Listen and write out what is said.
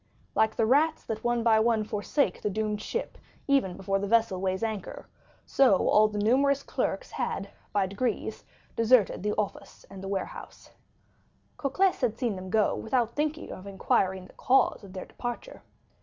Like the rats that one by one forsake the doomed ship even before the vessel weighs anchor, so all the numerous clerks had by degrees deserted the office and the warehouse. Cocles had seen them go without thinking of inquiring the cause of their departure.